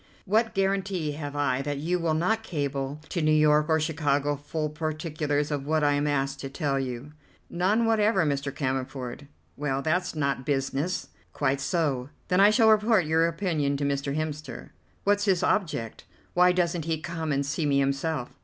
What guarantee have I that you will not cable to New York or Chicago full particulars of what I am asked to tell you." "None whatever, Mr. Cammerford." "Well, that's not business." "Quite so. Then I shall report your opinion to Mr. Hemster." "What's his object? Why doesn't he come and see me himself?"